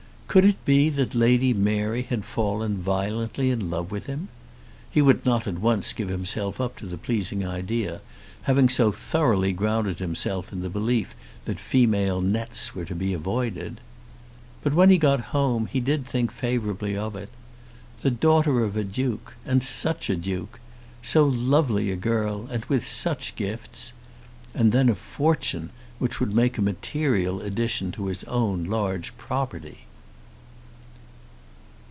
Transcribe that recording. Could it be that Lady Mary had fallen violently in love with him? He would not at once give himself up to the pleasing idea, having so thoroughly grounded himself in the belief that female nets were to be avoided. But when he got home he did think favourably of it. The daughter of a Duke, and such a Duke! So lovely a girl, and with such gifts! And then a fortune which would make a material addition to his own large property!